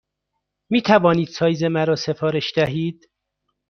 می توانید سایز مرا سفارش دهید؟